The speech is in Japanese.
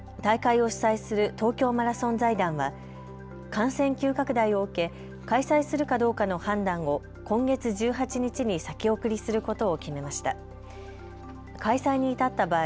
大会を主催する東京マラソン財団は感染急拡大を受け開催するかどうかの判断を今月１８日に先送りすることを決めました。